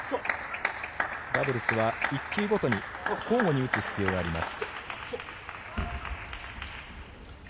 ダブルスは１球ごとに交互に打つ必要があります。